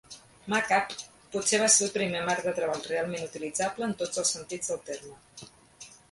MacApp potser va ser el primer marc de treball realment utilitzable en tots els sentits del terme.